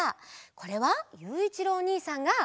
これはゆういちろうおにいさんが。